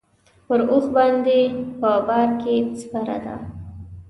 پر اوښ باندې په بار کې سپره ده.